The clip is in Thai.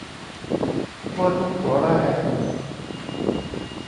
ทั่วทุกหัวระแหง